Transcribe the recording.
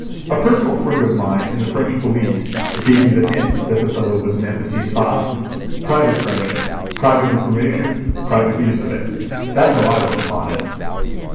A personal friend of mine in the French police gave me the hint that the fellow was an Embassy spy. Private friendship, private information, private use of it—that's how I look upon it."